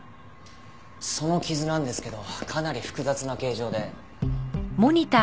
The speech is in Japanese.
その傷なんですけどかなり複雑な形状で。